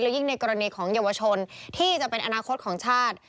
ยิ่งในกรณีของเยาวชนที่จะเป็นอนาคตของชาติ